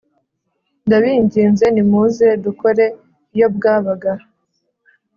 Ndabinginze nimuze dukore iyo bwabaga